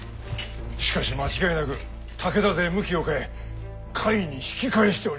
しかし間違いなく武田勢向きを変え甲斐に引き返しております。